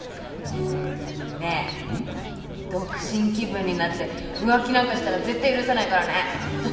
ねえ独身気分になって浮気なんかしたら絶対許さないからね！